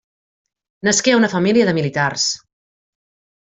Nasqué a una família de militars.